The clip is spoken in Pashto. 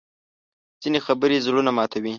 ځینې خبرې زړونه ماتوي